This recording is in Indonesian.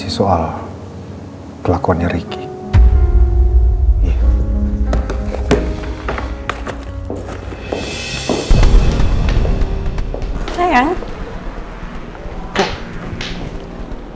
j moisturizingnya buang anna blaer ke ahad nya akan bekerja dasar lotta papanya lanjut nuduginya federal bromance